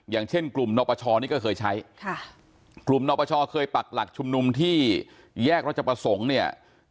อย่างเช่นกลุ่มนปชนี่ก็เคยใช้ค่ะกลุ่มนปชเคยปักหลักชุมนุมที่แยกรัชประสงค์เนี่ย